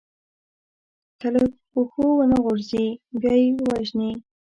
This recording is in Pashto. که له پښو ونه غورځي، بیا يې وژني.